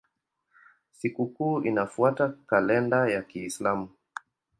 Sikukuu inafuata kalenda ya Kiislamu.